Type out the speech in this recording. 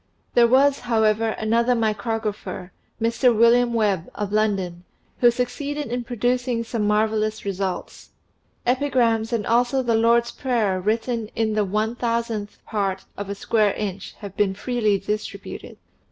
There was, however, another micrographer, Mr. William Webb, of London, who succeeded in producing some mar vellous results. Epigrams and also the Lord's Prayer written in the one thousandth part of a square inch have been freely distributed. Mr.